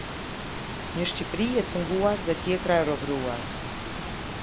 Një Shqipëri e cunguar dhe tjetra e robëruar.